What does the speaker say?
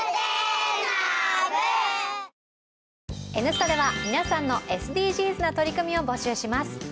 「Ｎスタ」では皆さんのＳＤＧｓな取り組みを募集します。